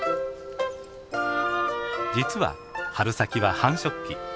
実は春先は繁殖期。